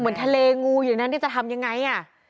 เหมือนทะเลงูอยู่ด้านนั้นที่จะทำยังไงอะ